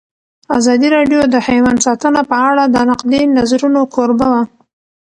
ازادي راډیو د حیوان ساتنه په اړه د نقدي نظرونو کوربه وه.